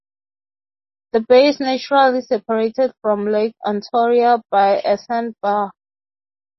The bay is naturally separated from Lake Ontario by a sand bar.